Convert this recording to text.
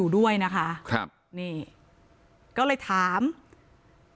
ภรรยาก็บอกว่านายเทวีอ้างว่านายทองม่วนขโมย